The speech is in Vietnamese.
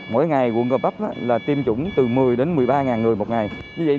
mỗi ngày quận gò vấp là tiêm chủng từ một mươi đến một mươi ba người một ngày